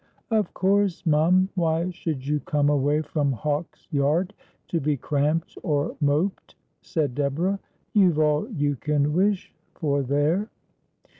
' Of course, mum. Why should you come away from Hawks yard to be cramped or moped ?' said Deborah. ' You've all you can wish for there.'